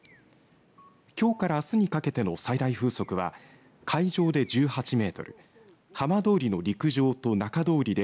きょうからあすにかけての最大風速は海上で１８メートル浜通りの陸上と中通りで